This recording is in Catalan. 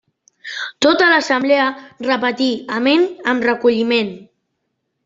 Tota l'assemblea repetí Amén amb recolliment.